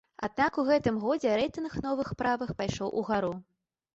Аднак у гэтым годзе рэйтынг новых правых пайшоў угару.